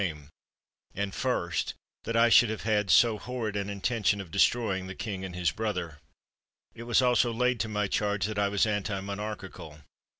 146 RUMBOLD my uame; and, first, that I should have had so horrid an intention of destroying the king and his brother. It was also laid to my charge that I was anti monarchical.